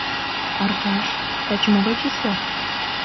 — Аркаш, таче могай числа?